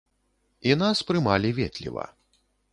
І нас прымалі ветліва.